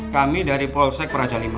kami dari polsek peraja v